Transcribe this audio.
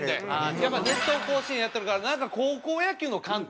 やっぱ『熱闘甲子園』やっとるからなんか高校野球の監督のような。